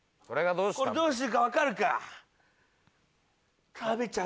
これどうするかわかるか？